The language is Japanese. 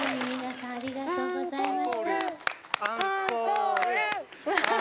Ｈｕありがとうございます